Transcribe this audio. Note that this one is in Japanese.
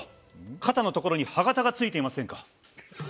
肩の所に歯形が付いていませんか？